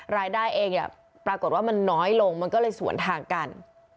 รายได้เองปรากฏว่ามันน้อยลงมันก็เลยสวนทางกัน